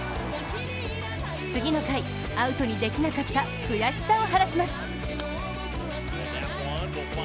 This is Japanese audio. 次の回アウトにできなかった悔しさを晴らします！